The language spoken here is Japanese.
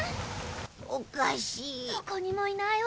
おかしい。